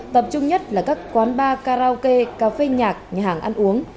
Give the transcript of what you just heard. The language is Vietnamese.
tập trung nhất là các quán bar karaoke cafe nhạc nhà hàng ăn uống